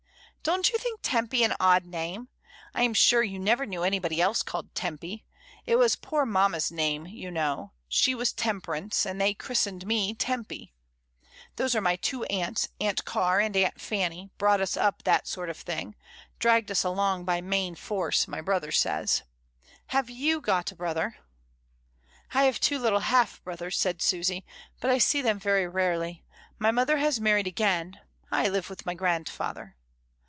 "Don't you think Tempy an odd name? I am sure you never knew anybody else called Tempy. It was poor mamma's name, you know; she was Tem perance, and they christened me Tempy. Those are 38 MRS. DYMOND. my two aunts, Aunt Car and Aunt Fanny, brought us up that sort of thing; dragged us along by main force, my brother says. Haytj^ou got a brother?" "I have two little half brothers," said Susy, "but I see them very rarely. My mother has married again. I live with my grandfather."